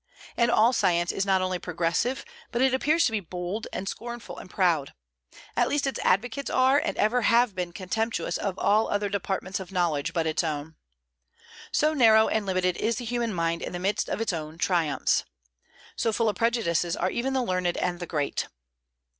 And all science is not only progressive, but it appears to be bold and scornful and proud, at least, its advocates are and ever have been contemptuous of all other departments of knowledge but its own. So narrow and limited is the human mind in the midst of its triumphs. So full of prejudices are even the learned and the great.